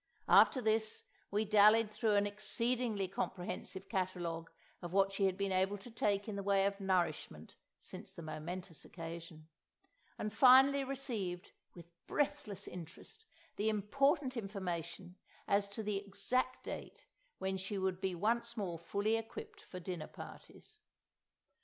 After this we dallied through an exceedingly comprehensive catalogue of what she had been able to take in the way of nourishment since the momentous occasion; and finally received, with breathless interest, the important information as to the exact date when she would be once more fully equipped for dinner parties.